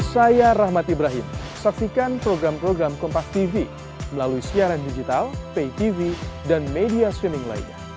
saya rahmat ibrahim saksikan program program kompas tv melalui siaran digital pay tv dan media switning lainnya